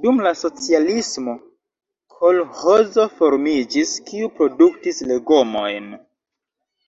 Dum la socialismo kolĥozo formiĝis, kiu produktis legomojn.